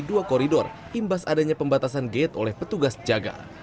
dua koridor imbas adanya pembatasan gate oleh petugas jaga